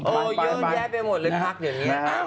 โอ้ยยืนแย่ไปหมดเลยพักอย่างนี้